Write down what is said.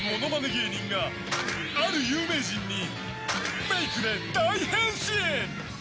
芸人がある有名人にメイクで大変身！